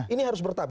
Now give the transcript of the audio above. ini harus bertahap